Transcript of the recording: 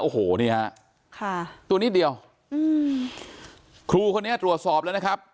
โอ้โหนี่ฮะค่ะตัวนิดเดียวอืมครูคนนี้ตรวจสอบแล้วนะครับ